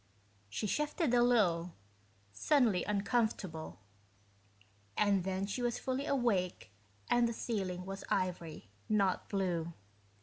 She shifted a little, suddenly uncomfortable ... and then she was fully awake and the ceiling was ivory, not blue.